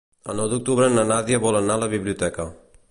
El nou d'octubre na Nàdia vol anar a la biblioteca.